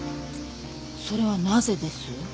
それはなぜです？